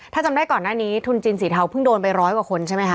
ถ้าจำได้ก่อนหน้านี้ทุนจีนสีเทาเพิ่งโดนไปร้อยกว่าคนใช่ไหมคะ